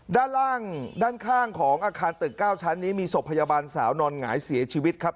ด้านล่างด้านข้างของอาคารตึก๙ชั้นนี้มีศพพยาบาลสาวนอนหงายเสียชีวิตครับ